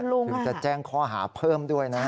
ถึงจะแจ้งข้อหาเพิ่มด้วยนะ